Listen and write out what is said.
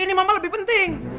ini mama lebih penting